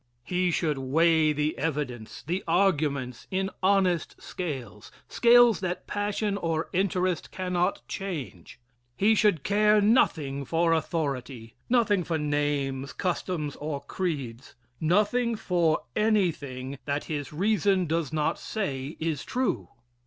He should weigh the evidence, the arguments, in honest scales scales that passion or interest cannot change. He should care nothing for authority nothing for names, customs or creeds nothing for anything that his reason does not say is true.